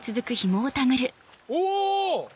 お！